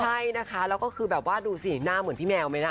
ใช่นะคะแล้วก็คือแบบว่าดูสิหน้าเหมือนพี่แมวไหมล่ะ